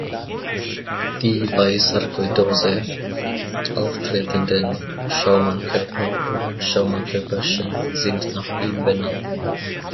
Die bei Sarkoidose auftretenden "Schaumann-Körper" oder "Schaumann-Körperchen" sind nach ihm benannt.